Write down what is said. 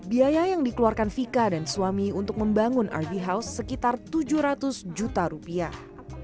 biaya yang dikeluarkan vika dan suami untuk membangun rv house sekitar tujuh ratus juta rupiah